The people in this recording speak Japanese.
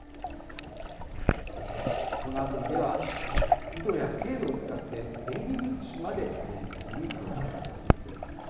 このアプリでは、緯度や経度を使って、出入り口まで精密に登録できるということです。